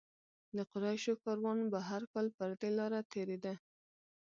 د قریشو کاروان به هر کال پر دې لاره تېرېده.